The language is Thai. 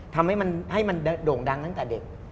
ทำให้มันโด่งดังตั้งแต่เด็ก